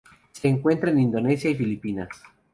Se encuentra en Indonesia y Filipinas.